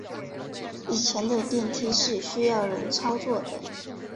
以前的电梯是需要人操作的。